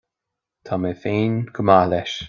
Tá mé féin go maith leis